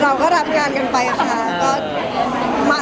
เราก็รับงานกันไปค่ะ